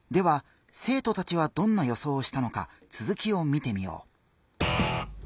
生徒たちはどんな予想をしたのかつづきを見てみよう。